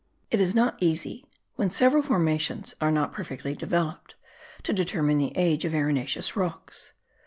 It is not easy, when several formations are not perfectly developed, to determine the age of arenaceous rocks.